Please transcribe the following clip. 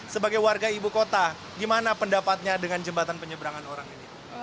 sebagai warga ibu kota gimana pendapatnya dengan jembatan penyeberangan orang ini